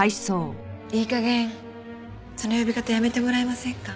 いい加減その呼び方やめてもらえませんか？